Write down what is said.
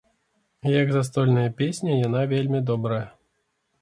І як застольная песня яна вельмі добрая.